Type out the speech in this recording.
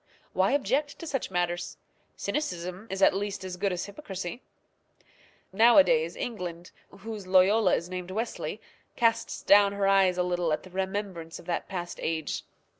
Why object to such manners? Cynicism is at least as good as hypocrisy. Nowadays England, whose Loyola is named Wesley, casts down her eyes a little at the remembrance of that past age.